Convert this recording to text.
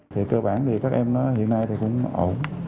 thì cơ bản thì các em nó hiện nay thì cũng ổn